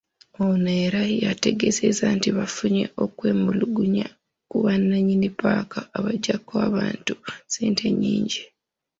Ono era yategeezezza nti baafunye okwemulugunya ku bannanyini ppaaka abaggyako abantu essente ennyingi.